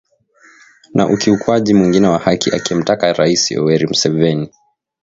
na ukiukwaji mwingine wa haki akimtaka Rais Yoweri Museveni